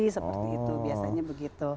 seperti itu biasanya begitu